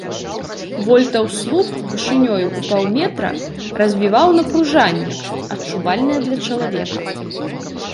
Вольтаў слуп вышынёю ў паўметра развіваў напружанне, адчувальнае для чалавека.